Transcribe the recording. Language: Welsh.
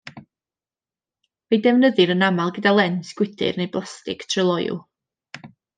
Fe'i defnyddir yn aml gyda lens gwydr neu blastig tryloyw.